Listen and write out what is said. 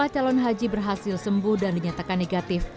lima calon haji berhasil sembuh dan dinyatakan negatif